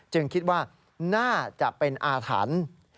คิดว่าน่าจะเป็นอาถรรพ์